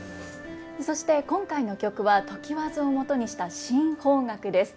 そして今回の曲は常磐津をもとにした新邦楽です。